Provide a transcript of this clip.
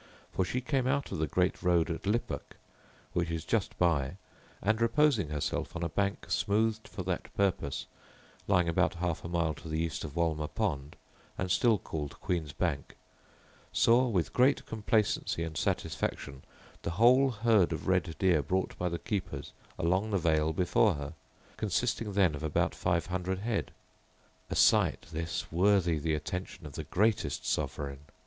For she came out of the great road at Lippock, which is just by, and reposing herself on a bank smoothed for that purpose, lying about half a mile to the east of Wolmer pond, and still called Queen's bank, saw with great complacency and satisfaction the whole herd of red deer brought by the keepers along the vale before her, consisting then of about five hundred head. A sight this, worthy the attention of the greatest sovereign!